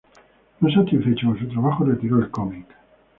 No satisfecho con su trabajo, retiró el cómic.